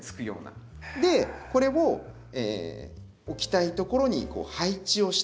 でこれを置きたいところに配置をして。